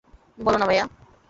বলো না, ভায়া।